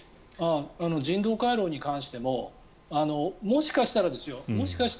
人道回廊に関してももしかしたらですよ